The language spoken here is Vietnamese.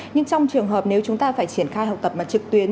nhưng trong trường hợp nếu chúng ta phải triển khai học tập mà trực tuyến